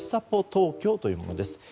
ぽ東京というものです。